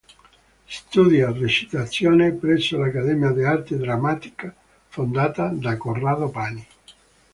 Studia recitazione presso l'Accademia d'arte drammatica fondata da Corrado Pani.